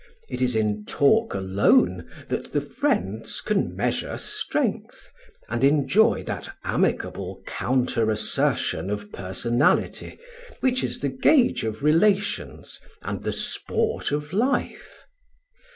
It is in talk alone that the friends can measure strength, and enjoy that amicable counter assertion of personality which is the gauge of relations and the sport of life.